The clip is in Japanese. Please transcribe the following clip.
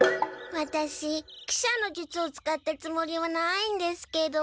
ワタシ喜車の術を使ったつもりはないんですけど。